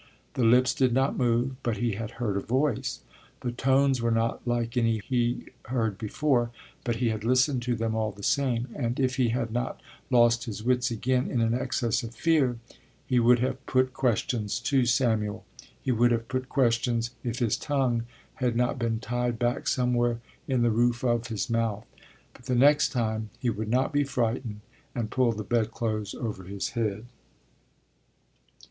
The lips did not move, but he had heard a voice. The tones were not like any heard before, but he had listened to them all the same, and if he had not lost his wits again in an excess of fear he would have put questions to Samuel: he would have put questions if his tongue had not been tied back somewhere in the roof of his mouth. But the next time he would not be frightened and pull the bed clothes over his head.